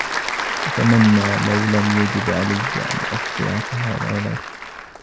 أتمنى لو لم يجب عليّ أن أخبرك هذا ، ولكن...